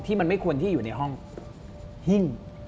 มันไม่ควรที่อยู่ในห้องหิ้ง